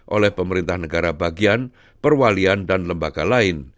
oleh pemerintah negara bagian perwalian dan lembaga lain